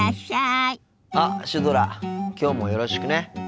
あっシュドラきょうもよろしくね。